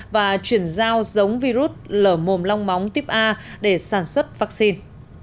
và chuyển giao giống virus lở mồm long móng tuyếp a để sản xuất vaccine